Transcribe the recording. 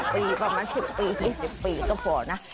ปีประมาณ๑๐ปี๒๐ปีก็พอนะ